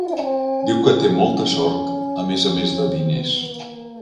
Diu que té molta sort a més a més de diners.